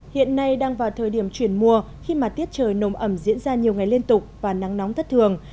hiện nay đang vào thời điểm chuyển mùa khi mà tiết trời nồm ẩm diễn ra nhiều ngày liên tục và nắng nóng thất thường